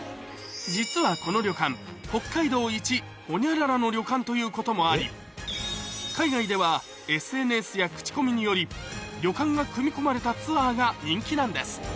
実はこの旅館ということもあり海外ではＳＮＳや口コミにより旅館が組み込まれたツアーが人気なんです